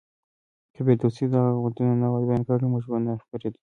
که فردوسي دغه ودونه نه وای بيان کړي، موږ به نه خبرېدو.